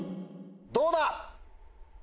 どうだ？